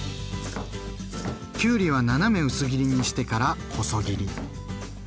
きゅうりは斜め薄切りにしてから細切り。